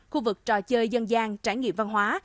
khu vực trò chơi dân gian trải nghiệm văn hóa